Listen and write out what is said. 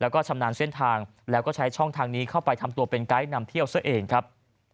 แล้วก็ชำนาญเส้นทางแล้วก็ใช้ช่องทางนี้เข้าไปทำตัวเป็นไกด์นำเที่ยวซะเองครับ